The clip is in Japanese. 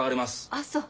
ああそう。